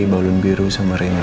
baulun biru sama rina